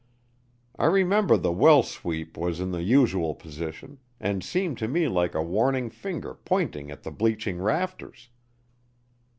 I remember the well sweep was in the usual position, and seemed to me like a warning finger pointing at the bleaching rafters.